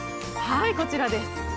はいこちらです